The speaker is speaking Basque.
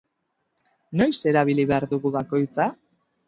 Noiz erabili behar dugu bakoitza?